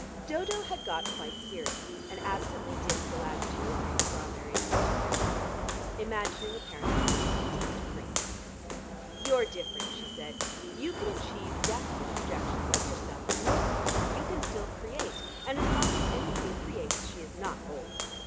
Dodo had got quite serious and absently dipped the last two or three strawberries into her tea cup, imagining apparently that it contained cream. "You're different," she said; "you can achieve definite projections of yourself in music; you can still create, and as long as anybody creates she is not old.